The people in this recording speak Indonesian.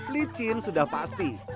licin sudah pasti